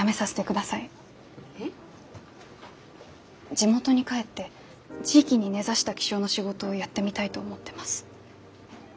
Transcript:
地元に帰って地域に根ざした気象の仕事をやってみたいと思ってます。